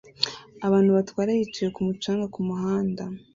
Abantu batwara yicaye kumu canga kumuhanda